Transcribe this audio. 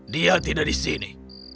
dia tidak di sini